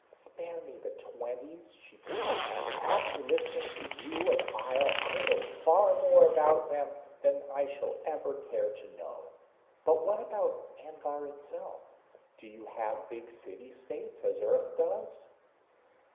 "Spare me the Twenties," she pleaded. "After listening to you and Ihjel, I know far more about them than I shall ever care to know. But what about Anvhar itself? Do you have big city states as Earth does?"